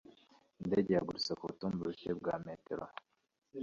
Indege yagurutse ku butumburuke bwa metero